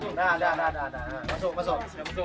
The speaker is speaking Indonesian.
nah nah nah masuk masuk